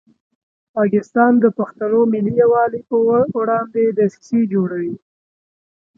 پاکستان د پښتنو ملي یووالي په وړاندې دسیسې جوړوي.